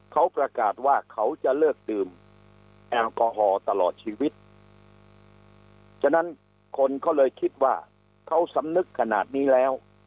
เขาประกาศว่าเขาจะเลิกดื่มแอลกอฮอล์ตลอดชีวิตฉะนั้นคนก็เลยคิดว่าเขาสำนึกขนาดนี้แล้ว